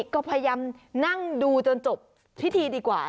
ก็พยายามนั่งดูจนจบพิธีดีกว่า